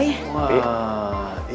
ini dia nak papa